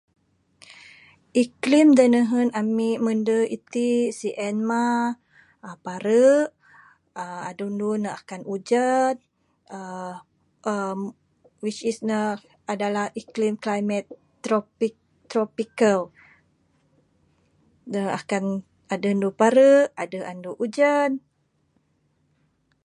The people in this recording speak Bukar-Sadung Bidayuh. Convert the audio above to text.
Iklim da nehen ami mende siti, sien mah pare. Adeh andu ne akan ujan uhh uhh which is ne adalah iklim climate tropic tropical da Akan adeh adeh anu pare adeh anu ujan